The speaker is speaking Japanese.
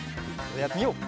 やってみよう。